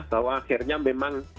bahwa akhirnya memang